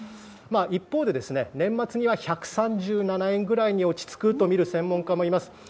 一方で、年末には１３７円ぐらいに落ち着くという専門家もいます。